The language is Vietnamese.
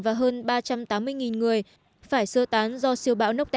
và hơn ba trăm tám mươi người bị bắt giữ